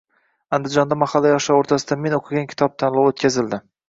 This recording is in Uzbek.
Andijonda mahalla yoshlari o‘rtasida “men o‘qigan kitob” tanlovi o‘tkazildi